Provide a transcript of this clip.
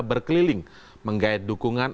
berkeliling menggait dukungan